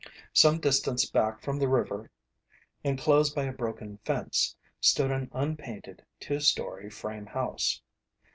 Some distance back from the river, enclosed by a broken fence, stood an unpainted, two story frame house.